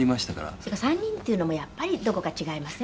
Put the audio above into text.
黒柳：３人っていうのもやっぱり、どこか違いません？